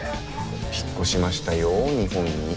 引っ越しましたよ日本に。